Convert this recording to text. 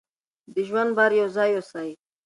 د ژوند بار یو ځای یوسئ.